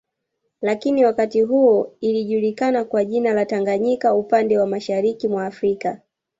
Lakini wakati huo ilijulikana kwa jina la Tanganyika upande wa Mashariki mwa Afrika